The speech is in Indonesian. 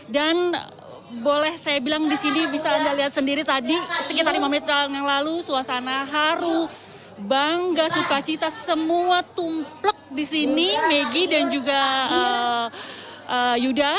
dan boleh saya bilang disini bisa anda lihat sendiri tadi sekitar lima menit yang lalu suasana haru bangga sukacita semua tumplek disini maggie dan juga yudha